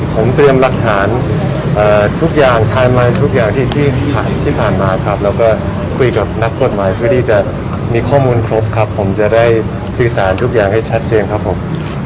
ผมเตรียมหลักฐานทุกอย่างถ่ายมาทุกอย่างที่ผ่านมาครับแล้วก็คุยกับนักกฎหมายเพื่อที่จะมีข้อมูลครบครับผมจะได้สื่อสารทุกอย่างให้ชัดเจนครับผม